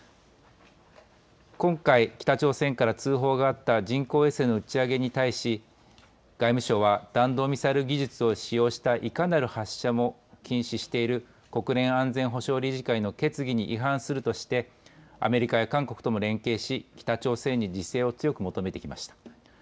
今回北朝鮮から通報があった人工衛星の打ち上げに対し、外務省は、弾道ミサイル技術を使用したいかなる発射も禁止している国連安全保障理事会の決議に違反するとして、アメリカや韓国とも連携し、北朝鮮に自制を強く求めてきました。